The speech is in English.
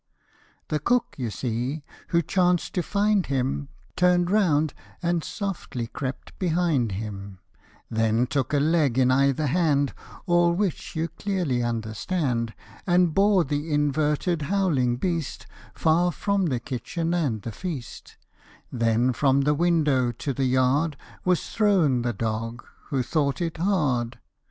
The cook, you see, who chanced to find him, Turn'd round, and softly crept behind him, Then took a leg in either hand, All which you clearly understand ; And bore the inverted, howling beast Far from the kitchen and the feast ; Then from the window to the yard Was thrown the dog, who thought it hard.